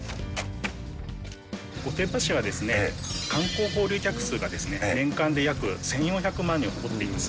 御殿場市は、観光交流客数がですね、年間で約１４００万人を誇っています。